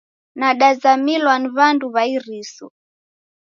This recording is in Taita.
Nadazamilwa ni w'andu w'a iriso